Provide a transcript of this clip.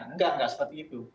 enggak enggak seperti itu